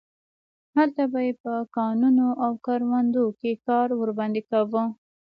هلته به یې په کانونو او کروندو کې کار ورباندې کاوه.